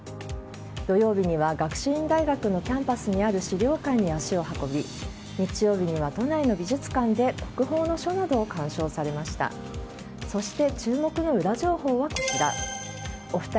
土曜日には学習院大学のキャンパスにある史料館に足を運び日曜日には都内の美術館で国宝の書などを鑑賞されました。